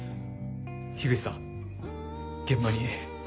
口さん現場に。